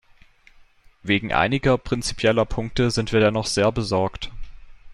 Wegen einiger prinzipieller Punkte sind wir dennoch sehr besorgt.